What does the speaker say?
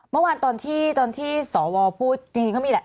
เมื่อวานตอนที่สวพูดจริงก็มีแหละ